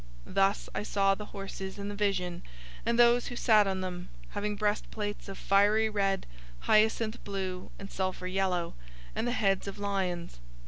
009:017 Thus I saw the horses in the vision, and those who sat on them, having breastplates of fiery red, hyacinth blue, and sulfur yellow; and the heads of lions.